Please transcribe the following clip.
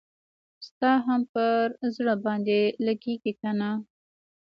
ستا هم پر زړه باندي لګیږي کنه؟